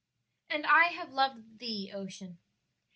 "And I have loved thee, Ocean!"